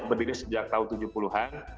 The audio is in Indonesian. berdiri sejak tahun tujuh puluh an